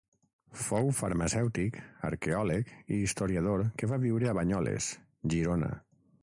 Fou farmacèutic, arqueòleg i historiador que va viure a Banyoles, Girona.